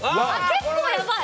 結構やばい。